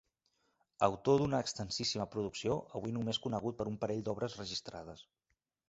Autor d'una extensíssima producció, avui només conegut per un parell d'obres registrades.